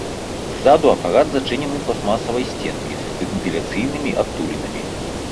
Ззаду апарат зачынены пластмасавай сценкай з вентыляцыйнымі адтулінамі.